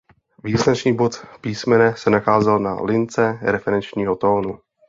Význačný bod písmene se nacházel na lince referenčního tónu.